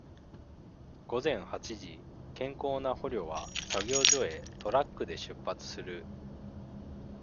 午前八時、健康な捕虜は、作業所へ、トラックで出発する。